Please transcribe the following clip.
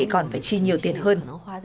còn phải chi nhiều tiền hơn